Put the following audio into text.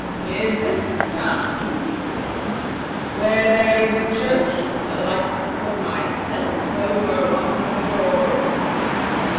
"Is this the town," said the Griffin, "where there is a church with a likeness of myself over one of the doors?"